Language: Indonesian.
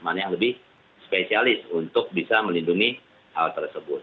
mana yang lebih spesialis untuk bisa melindungi hal tersebut